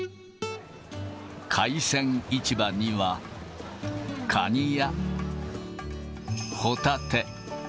海鮮市場には、カニやホタテ。